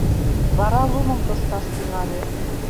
Вара лумым тошкаш тӱҥале.